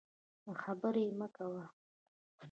د خبرې مه کوئ.